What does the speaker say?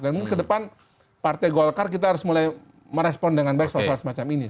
mungkin ke depan partai golkar kita harus mulai merespon dengan baik soal soal semacam ini